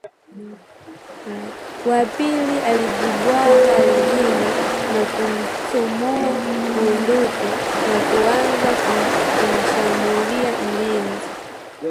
Wa pili alijibwaga ardhini na kuchomoa bunduki na kuanza kumshambulia mlinzi